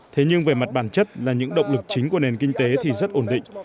thế nhưng về mặt bản chất là những động lực chính của nền kinh tế thì rất ổn định